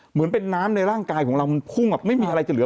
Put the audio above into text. เหมือนเป็นน้ำในร่างกายของเรามันพุ่งแบบไม่มีอะไรจะเหลือ